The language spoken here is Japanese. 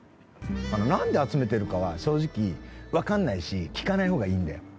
なんで集めてるかは正直わかんないし聞かない方がいいんだよ。